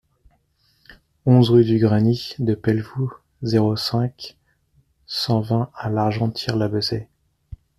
onze rue du Granit de Pelvoux, zéro cinq, cent vingt à L'Argentière-la-Bessée